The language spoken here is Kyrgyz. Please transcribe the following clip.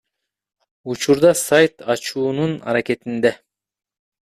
Учурда сайт ачуунун аракетинде.